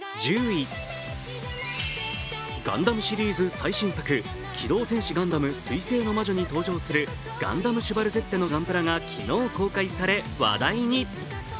ガンダムシリーズ最新作、「機動戦士ガンダム水星の魔女」に登場するガンダムシュバルゼッテのガンプラが昨日公開され、話題に。